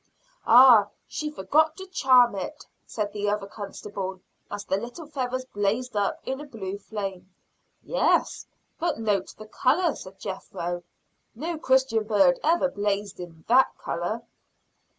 "Ah, she forgot to charm it," said the other constable, as the little feathers blazed up in a blue flame. "Yes, but note the color," said Jethro. "No Christian bird ever blazed in that color."